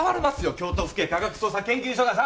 京都府警科学捜査研究所がさ！